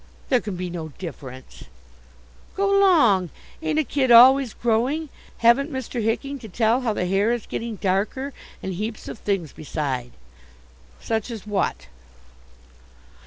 "There can be no difference!" "Go 'long! Ain't a kid always growing? Haven't Mr. Hicking to tell how the hair is getting darker, and heaps of things beside?" "Such as what?"